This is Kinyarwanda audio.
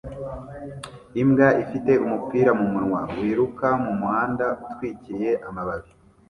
Imbwa ifite umupira mumunwa wiruka mumuhanda utwikiriye amababi